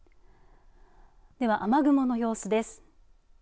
では雨雲の様子です。